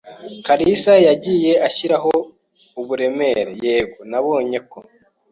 "kalisa yagiye ashyiraho uburemere" "Yego, nabonye ko."